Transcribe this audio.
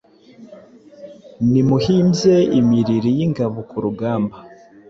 Nimuhimbye* imiriri, yingabo kurugamba